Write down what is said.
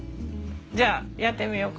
じゃあやってみようか？